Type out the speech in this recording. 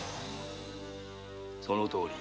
そのとおり。